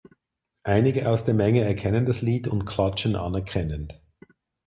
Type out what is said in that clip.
Einige aus der Menge erkennen das Lied und klatschen anerkennend.